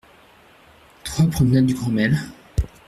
trois promenade du Grand Mail